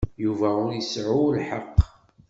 Yuba ur iseɛɛu lḥeqq.